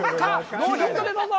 ノーヒントでどうぞ。